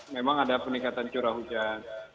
memang ada peningkatan curah hujan